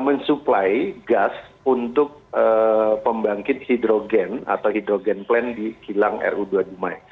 men supply gas untuk pembangkit hidrogen atau hidrogen plant di kilang ru dua puluh lima